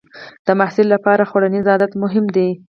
د محصل لپاره خوړنیز عادت مهم دی.